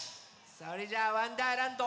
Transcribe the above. それじゃあ「わんだーらんど」